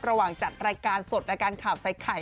ระหว่างจัดรายการสดอาการข่าวใส่ไขอ์